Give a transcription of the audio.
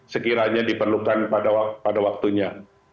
sekiranya diperlukan pada waktunya